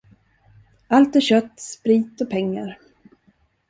Allt är kött, sprit och pengar.